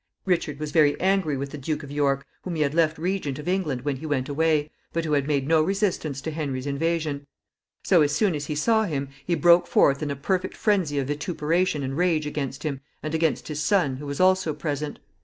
Richard was very angry with the Duke of York, whom he had left regent of England when he went away, but who had made no resistance to Henry's invasion. So, as soon as he saw him, he broke forth in a perfect phrensy of vituperation and rage against him, and against his son, who was also present.